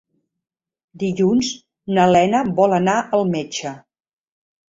Dilluns na Lena vol anar al metge.